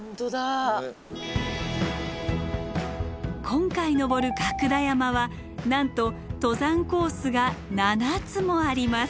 今回登る角田山はなんと登山コースが７つもあります。